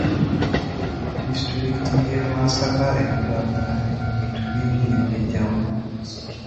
Disitulikiti y'e masaka ekulaakulanye mu bintu bingi eby'enjawulo.